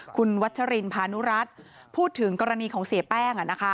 คุณวัชรินพานุรัติพูดถึงกรณีของเสียแป้ง